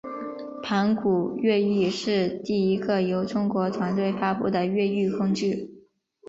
盘古越狱是第一个由中国团队发布的越狱工具。